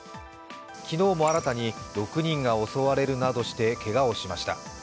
昨日も新たに６人が襲われるなどして、けがをしました。